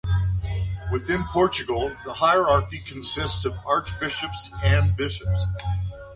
Within Portugal, the hierarchy consists of archbishops and bishops.